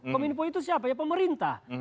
kominfo itu siapa ya pemerintah